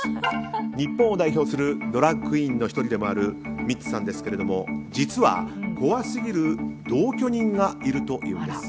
日本を代表するドラァグクイーンの１人でもあるミッツさんですけれども実は怖すぎる同居人がいるというんです。